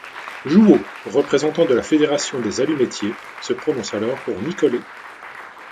Jouhaux, représentant de la fédération des Allumettiers, se prononce alors pour Nicolet.